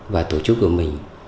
và tổ chức của mình